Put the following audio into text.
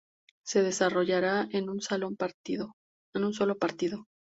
Se desarrollará en un sólo partido.